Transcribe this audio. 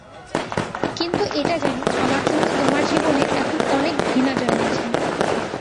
কিন্তু এটা জানি আমার জন্য তোমার জীবনে এখন অনেক ঘৃণা জন্মেছে।